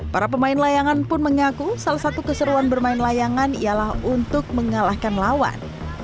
para pemain layangan pun mengaku salah satu keseruan bermain layangan ialah untuk mengalahkan lawan